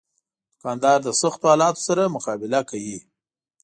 دوکاندار د سختو حالاتو سره مقابله کوي.